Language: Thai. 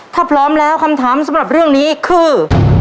ถ้าพร้อมแล้วคำถามสำหรับเรื่องนี้คือ